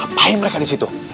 apaan mereka disitu